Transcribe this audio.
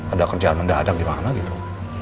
ada kerjaan mendadak dimana gitu